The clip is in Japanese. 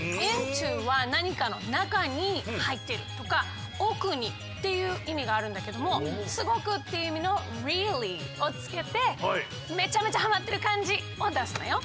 「ｉｎｔｏ」は「なにかの中にはいってる」とか「奥に」っていういみがあるんだけども「すごく」っていういみの「ｒｅａｌｌｙ」をつけてめちゃめちゃハマってるかんじをだすのよ。